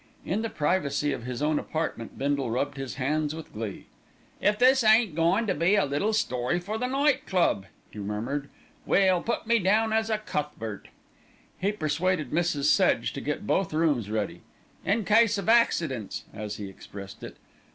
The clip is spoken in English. In the privacy of his own apartment, Bindle rubbed his hands with glee. "If this ain't goin' to be a little story for the Night Club," he murmured, "well, put me down as a Cuthbert." He persuaded Mrs. Sedge to get both rooms ready, "in case of accidents," as he expressed it.